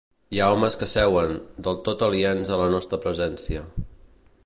Hi ha homes que seuen, del tot aliens a la nostra presència.